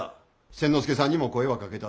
千之助さんにも声はかけた。